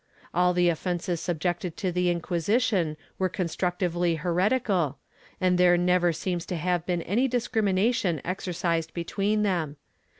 All the offences subjected to the Inquisition were con structively heretical, and there never seems to have been any discrimination exercised between them.